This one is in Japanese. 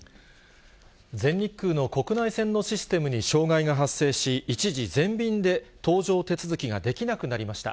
全日空の国内線のシステムに障害が発生し、一時全便で搭乗手続きができなくなりました。